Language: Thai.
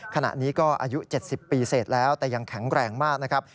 ขณะนี้ก็อายุ๗๐ปีเสร็จแล้วแต่ยังแข็งแรงมากนะครับ